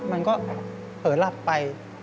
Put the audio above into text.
มันก็เผลอหลับไป